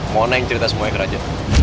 mona yang cerita semuanya ke raja